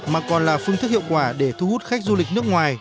mà còn là phương thức hiệu quả để thu hút khách du lịch nước ngoài